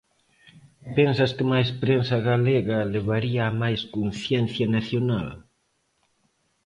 Pensas que máis prensa galega levaría a máis conciencia nacional?